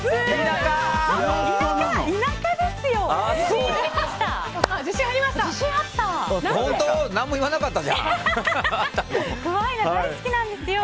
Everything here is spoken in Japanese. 田舎ですよ！